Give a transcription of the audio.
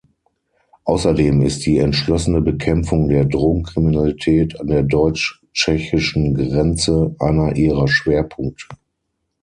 Außerdem ist die entschlossene Bekämpfung der Drogenkriminalität an der deutsch-tschechischen Grenze einer ihrer Schwerpunkte.